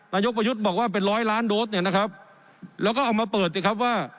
นายกประยุทธ์บอกว่าเป็นร้อยล้านโดสเนี่ยนะครับแล้วก็เอามาเปิดสิครับว่า